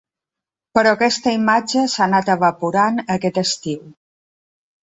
Però aquesta imatge s’ha anat evaporant aquest estiu.